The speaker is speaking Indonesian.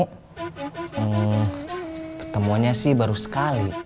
ketemuannya sih baru sekali